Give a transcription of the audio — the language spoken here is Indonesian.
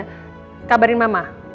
kamu juga kabarin mama